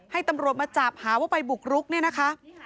ให้ตำรวจมาจาบหาว่าไปบุกรุก